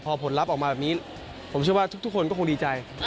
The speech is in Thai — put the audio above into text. พอผลลัพธ์ออกมาแบบนี้ผมเชื่อว่าทุกคนก็คงดีใจ